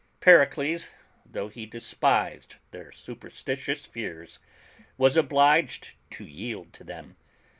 Pericles, though he despised their superstitious fears, was obliged to yield to them.